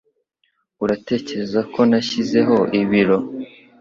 Uratekereza ko nashyizeho ibiro?